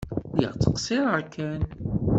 Lliɣ ttqeṣṣireɣ kan.